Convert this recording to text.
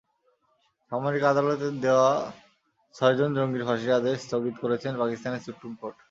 সামরিক আদালতের দেওয়া ছয়জন জঙ্গির ফাঁসির আদেশ স্থগিত করেছেন পাকিস্তানের সুপ্রিম কোর্ট।